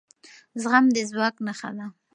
زغم د ځواک نښه ده